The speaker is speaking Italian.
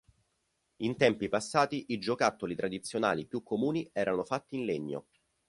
In tempi passati i giocattoli tradizionali più comuni erano fatti in legno.